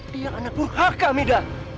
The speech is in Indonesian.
dia anak burhaka hamidah